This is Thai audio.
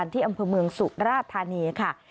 ที่อำเภอเมืองสุราธานีค่ะ